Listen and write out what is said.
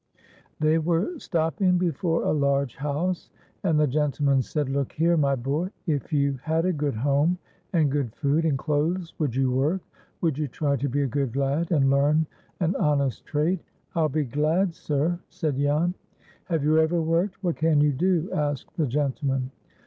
They were stopping before a large house, and the gentleman said, "Look here, my boy. If you had a good home, and good food, and clothes, would you work? Would you try to be a good lad, and learn an honest trade?" "I'd be glad, sir," said Jan. "Have you ever worked? What can you do?" asked the gentleman.